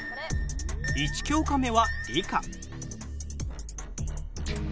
１教科目は理科。